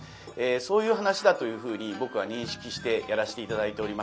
そういう噺だというふうに僕は認識してやらせて頂いております。